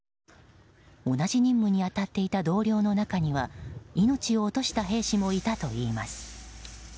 同じ任務に当たっていた同僚の中には命を落とした兵士もいたといいます。